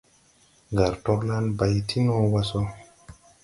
Ngar torlan bay ti no wa so.